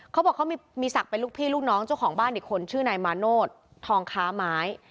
เขาบอกเขามีกันที่ถือให้